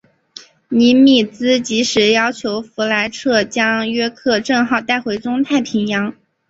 尼米兹即时要求弗莱彻将约克镇号带回中太平洋。